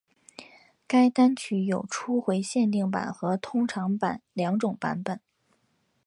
该单曲有初回限定版和通常版两种版本。